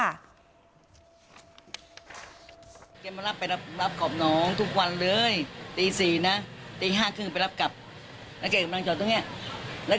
อืมนั่นอยู่ไม่หายไปไหนแล้วถึงว่าถึงว่าจะเป็นตัดชาติด้วยหวะ